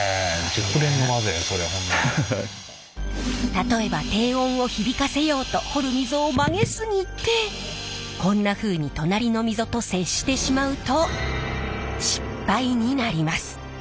例えば低音を響かせようと彫る溝を曲げ過ぎてこんなふうに隣の溝と接してしまうと失敗になります。